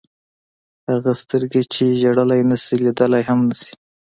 هغه سترګې چې ژړلی نه شي لیدلی هم نه شي.